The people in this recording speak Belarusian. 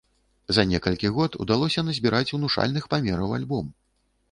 За некалькі год удалося назбіраць унушальных памераў альбом.